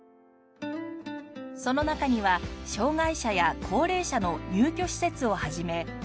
その中には障がい者や高齢者の入居施設を始め。